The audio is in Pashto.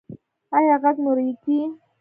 ایا غږ مو ریږدي؟